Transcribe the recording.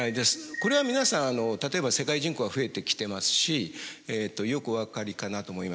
これは皆さん例えば世界人口が増えてきてますしよくお分かりかなと思います。